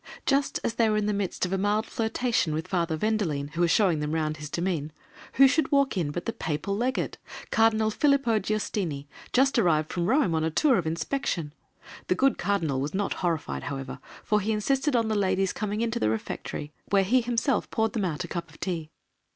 Just as they were in the midst of a mild flirtation with Father Vendelene, who was showing them round his demesne, who should walk in but the Papal Legate, Cardinal Filippo Giustini, just arrived from Rome on a tour of inspection! The good cardinal was not horrified, however, for he insisted on the ladies coming into the Refectory, where he himself poured them out a cup of tea.